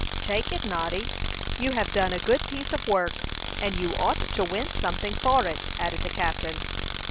"Take it, Noddy. You have done a good piece of work, and you ought to win something for it," added the captain.